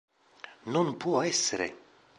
Non può essere!